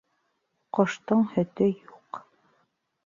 Ҡоштоң һөтө юҡ